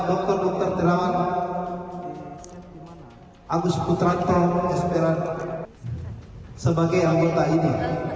dokter dokter terawan agus putranto esperanto sebagai anggota ini